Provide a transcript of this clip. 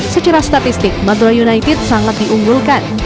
secara statistik madura united sangat diunggulkan